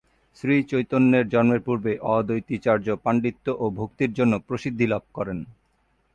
শ্রীচৈতন্যের জন্মের পূর্বেই অদ্বৈতাচার্য পান্ডিত্য ও ভক্তির জন্য প্রসিদ্ধি লাভ করেন।